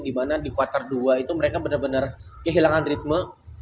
dimana di quarter dua itu mereka benar benar kehilangan ritme